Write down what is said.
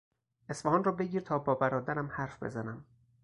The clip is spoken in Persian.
اصفهان را بگیر تا با برادرم حرف بزنم!